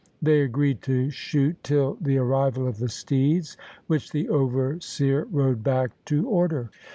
They agreed to shoot till the arrival of the steeds, which the overseer rode back to order.